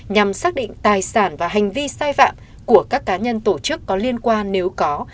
nhằm xác định tài sản và hành vi sai phạm của các cá nhân tổ chức có liên quan nếu có